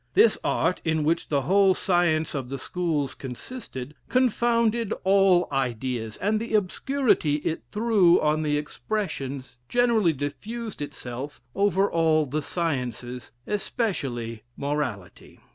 This art, in which the whole science of the schools consisted, confounded all ideas; and the obscurity it threw on the expressions, generally diffused itself over all the sciences, especially morality."